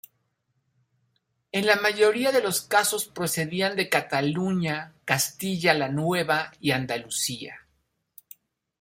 En la mayoría de los casos procedían de Cataluña, Castilla la Nueva y Andalucía.